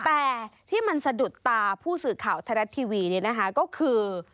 แต่ที่มันสะดุดตาผู้สื่อข่าวไทยรัฐทีวีเนี่ยนะคะก็คือ